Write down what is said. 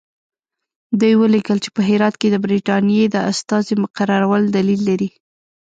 دوی ولیکل چې په هرات کې د برټانیې د استازي مقررول دلیل لري.